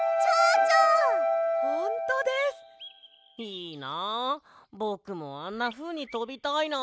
いいなぼくもあんなふうにとびたいな。